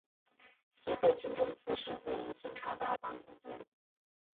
西会清真寺始建于清朝道光年间。